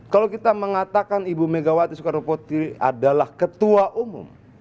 kalau kita mengatakan ibu megawati soekarno putri adalah ketua umum